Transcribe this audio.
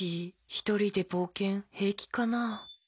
ひとりでぼうけんへいきかな。